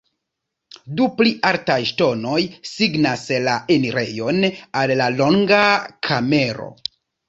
Du pli altaj ŝtonoj signas la enirejon al la longa kamero.